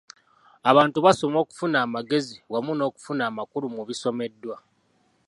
Abantu basoma okufuna amagezi wamu n’okufuna amakulu mu bisomeddwa.